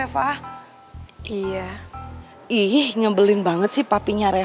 eh sekali sekali ya tuh